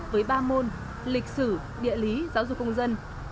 với ba môn lịch sử địa lý giáo dục công dân